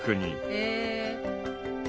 へえ。